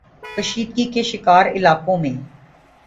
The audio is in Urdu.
کشیدگی کے شکار علاقوں میں